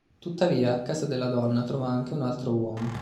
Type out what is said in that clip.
Tuttavia, a casa della donna trova anche un altro uomo.